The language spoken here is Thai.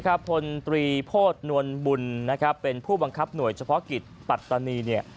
คนตรีโพธนวลบุญเป็นผู้บังคับหน่วยเฉพาะกิจปัตตานี